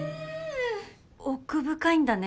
奥深いんだね